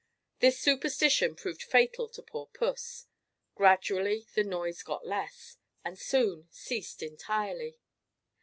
This superstition proved fatal to poor puss. Gradually the noise got less, and soon ceased entirely.